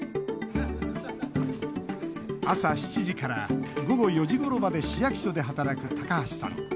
朝７時から午後４時ごろまで市役所で働く高橋さん。